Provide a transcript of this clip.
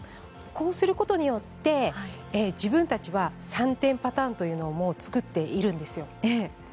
こうすることによって自分たちは３点パターンというのをもう作っているんですよ。